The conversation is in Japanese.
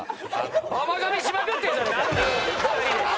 甘噛みしまくってんじゃねえかよ！